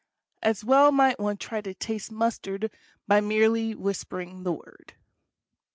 As well might one try to taste mustard by merely whispering the word.